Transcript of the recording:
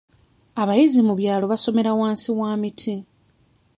Abayizi mu byalo basomera wansi wa miti.